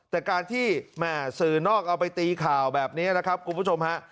แต่การที่แม่สื่อนอกเอาไปตีข่าวแบบนี้นะครับคุณผู้ชมฮะ